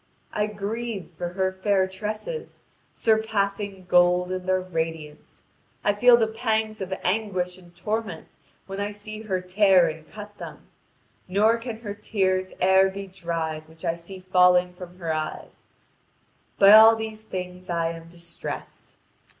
I grieve for her fair tresses, surpassing gold in their radiance; I feel the pangs of anguish and torment when I see her tear and cut them, nor can her tears e'er be dried which I see falling from her eyes; by all these things I am distressed.